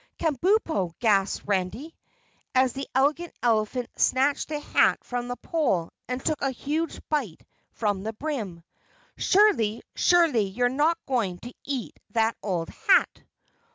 "Kabumpo!" gasped Randy, as the Elegant Elephant snatched the hat from the pole and took a huge bite from the brim. "Surely, surely you're not going to eat that old hat?"